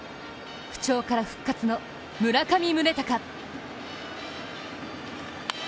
不調から復活の村上宗隆。